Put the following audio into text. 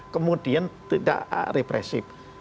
kemudian tidak represif